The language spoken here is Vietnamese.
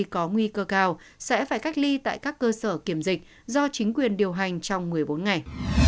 có nguy cơ cao sẽ phải cách ly tại các cơ sở kiểm dịch do chính quyền điều hành trong một mươi bốn ngày